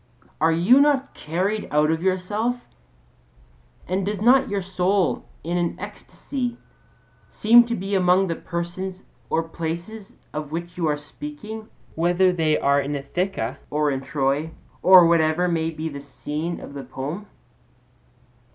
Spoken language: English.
Are you not carried out of yourself, and does not your soul in an ecstasy seem to be among the persons or places of which you are speaking, whether they are in Ithaca or in Troy or whatever may be the scene of the poem?